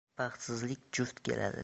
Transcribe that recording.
• Baxtsizlik juft keladi.